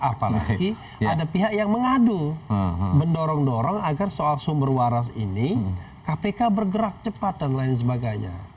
apalagi ada pihak yang mengadu mendorong dorong agar soal sumber waras ini kpk bergerak cepat dan lain sebagainya